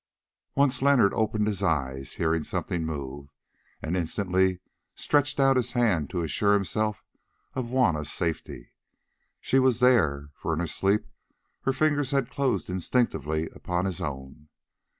Once Leonard opened his eyes, hearing something move, and instantly stretched out his hand to assure himself of Juanna's safety. She was there, for in her sleep her fingers closed instinctively upon his own.